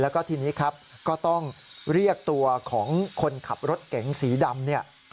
แล้วก็ทีนี้ครับก็ต้องเรียกตัวของคนขับรถเก๋งสีดำเนี่ย